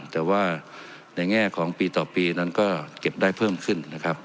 แต่ว่าในแง่ของปีต่อปีนั้นก็เก็บได้เพิ่มขึ้นนะครับ